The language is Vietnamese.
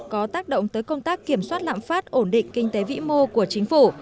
có tác động tới công tác kiểm soát lạm phát ổn định kinh tế vĩ mô của chính phủ